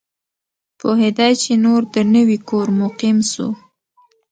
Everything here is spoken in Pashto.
پوهېدی چي نور د نوي کور مقیم سو